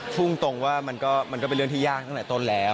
พูดตรงว่ามันก็เป็นเรื่องที่ยากตั้งแต่ต้นแล้ว